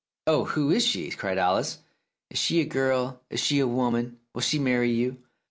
"Oh, who is she?" cried Alice. "Is she a girl? Is she a woman ? Will she marry you